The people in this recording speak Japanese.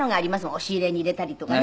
押し入れに入れたりとかね